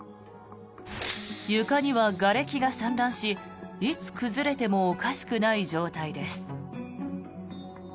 床にはがれきが散乱しいつ崩れてもおかしくない状態です。